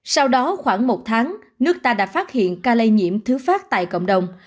sau đó khoảng một tháng nước ta đã phát hiện ca lây nhiễm thứ phát tại cộng đồng